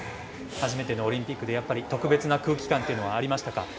初めてのオリンピックで特別な空気感というのはありましたか？